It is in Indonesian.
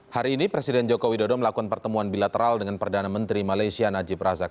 hari ini presiden joko widodo melakukan pertemuan bilateral dengan perdana menteri malaysia najib razak